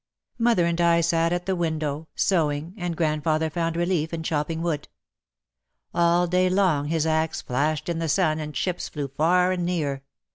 Mother and I sat at the window, sewing, and grand father found relief in chopping wood. All day long his axe flashed in the sun and chips flew far and near.